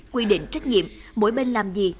quy định trách nhiệm mỗi bên làm gì